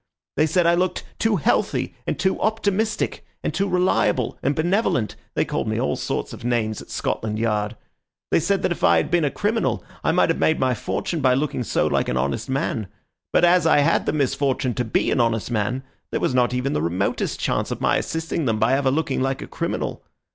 They said I looked too healthy and too optimistic, and too reliable and benevolent; they called me all sorts of names at Scotland Yard. They said that if I had been a criminal, I might have made my fortune by looking so like an honest man; but as I had the misfortune to be an honest man, there was not even the remotest chance of my assisting them by ever looking like a criminal.